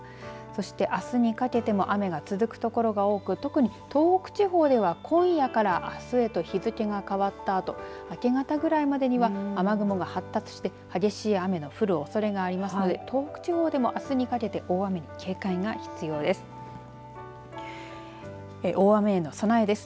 そしてあすにかけても雨が続く所が多く特に東北地方では今夜からあすへと日付が変わったあと明け方くらいまでには雨雲が発達して激しい雨の降るおそれがありますので東北地方でも、あすにかけて大雨に警戒が必要です。